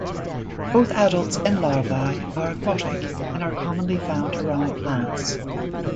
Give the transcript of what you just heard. Both adults and larvae are aquatic, and are commonly found around plants.